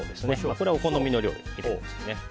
これはお好みの量入れます。